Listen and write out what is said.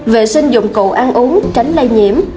vệ sinh dụng cụ ăn uống tránh lây nhiễm